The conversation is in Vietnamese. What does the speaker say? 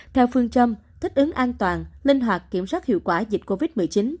theo phương châm thích ứng an toàn linh hoạt kiểm soát hiệu quả dịch covid một mươi chín